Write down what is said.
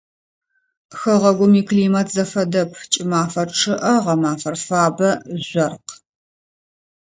Хэгъэгум иклимат зэфэдэп: кӏымафэр чъыӏэ, гъэмафэр фабэ, жъоркъ.